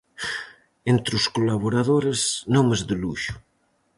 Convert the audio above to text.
Entre os colaboradores, nomes de luxo.